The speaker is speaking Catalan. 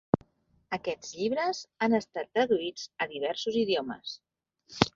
Aquests llibres han estat traduïts a diversos idiomes.